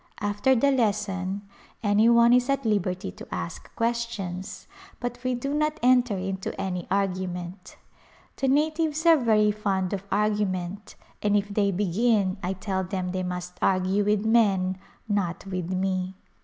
After the lesson any one is at liberty to ask questions but we do not enter into any argument. The natives are very fond of argument and if they begin I tell them they must argue with men not with me.